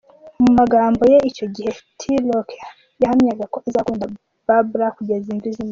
Mu Magambo ye icyo gihe T Rock yahamyaga ko azakunda Babla kugeza imvi zimeze.